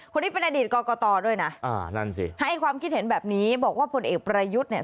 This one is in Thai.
คนนี้เป็นอดีตกรกตด้วยนะอ่านั่นสิให้ความคิดเห็นแบบนี้บอกว่าผลเอกประยุทธ์เนี่ย